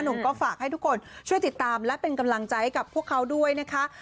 หนุ่มก็ฝากให้ทุกคนช่วยติดตามและเป็นกำลังใจให้กับพวกเขาด้วยนะคะ